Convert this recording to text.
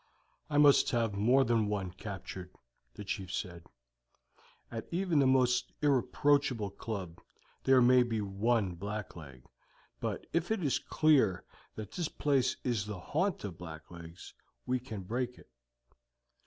"I must have more than one captured," the chief said. "At even the most irreproachable club there may be one blackleg, but if it is clear that this place is the haunt of blacklegs we can break it.